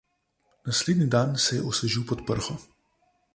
Naslednji dan se je osvežil pod prho.